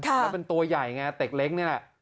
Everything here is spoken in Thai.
ถ้าเป็นตัวใหญ่อย่างนี้เต็กเล็กนี่แหละ